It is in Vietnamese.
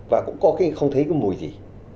và cũng có khi không thấy cái mùi gì